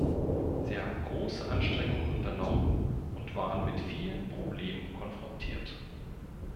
Sie haben große Anstrengungen unternommen und waren mit vielen Problemen konfrontiert.